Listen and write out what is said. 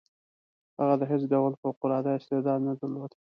هغه د هیڅ ډول فوق العاده استعداد نه درلود.